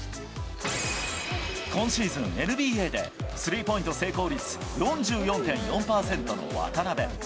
今シーズン、ＮＢＡでスリーポイント成功率４４．４％の渡邊。